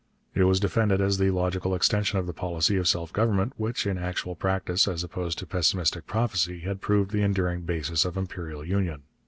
It was defended as the logical extension of the policy of self government, which, in actual practice as opposed to pessimistic prophecy, had proved the enduring basis of imperial union.